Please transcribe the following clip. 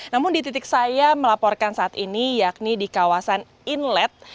namun di titik saya melaporkan saat ini yakni di kawasan inlet